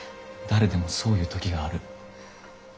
誰でもそういう時がある。